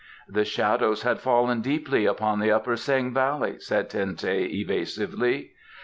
"The shadows had fallen deeply upon the Upper Seng Valley," said Ten teh evasively.